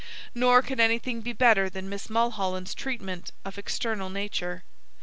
Nor could anything be better than Miss Mulholland's treatment of external nature.